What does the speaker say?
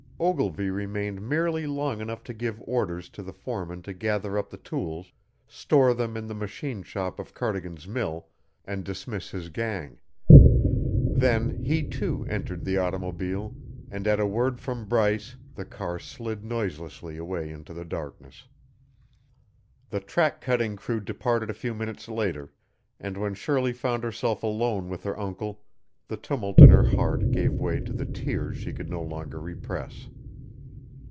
Ogilvy remained merely long enough to give orders to the foreman to gather up the tools, store them in the machine shop of Cardigan's mill, and dismiss his gang; then he, too, entered the automobile, and at a word from Bryce, the car slid noiselessly away into the darkness. The track cutting crew departed a few minutes later, and when Shirley found herself alone with her uncle, the tumult in her heart gave way to the tears she could no longer repress.